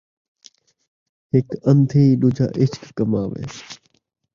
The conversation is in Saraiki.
ہک ان٘دھی ، ݙوجھا عشق کماوے